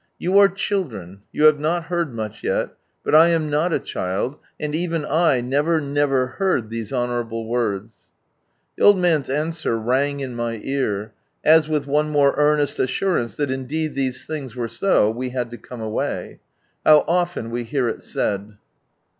" You are children, you have not iieard much yet, but I am not a child, and even I never, never heard these honourable words !" The old man's answer rang in my ear, as with one more earnest assurance that indeed these tilings were so, we had to come away, How often we hear it said.